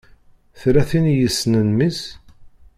Tella tin i yessnen mmi-s?